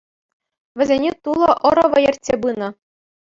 Вӗсене Тулӑ ӑрӑвӗ ертсе пынӑ.